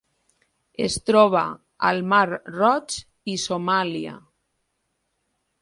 Es troba al Mar Roig i Somàlia.